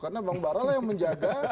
karena bang bara lah yang menjaga